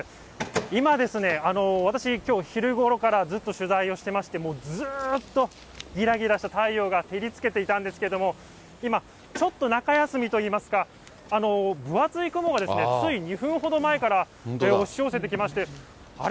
今ですね、私、きょう昼ごろからずっと取材をしてまして、ずっとぎらぎらしたたいようがてりつけていたんですけれども今、ちょっと中休みといいますか、分厚い雲がつい２分ほど前から押し寄せてきまして、あれ？